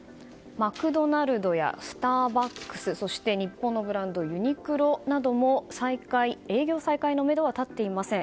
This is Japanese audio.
マクドナルドやスターバックスそして日本のブランド、ユニクロなども営業再開のめどは立っていません。